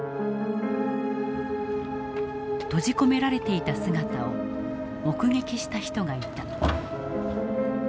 閉じ込められていた姿を目撃した人がいた。